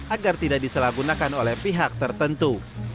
agar tidak disalahgunakan oleh pihak tertentu